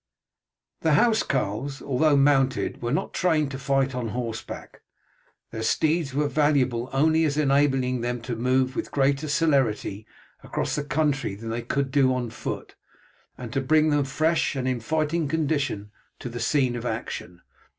The housecarls, although mounted, were not trained to fight on horseback. Their steeds were valuable only as enabling them to move with greater celerity across the country than they could do on foot, and to bring them fresh and in fighting condition to the scene of action.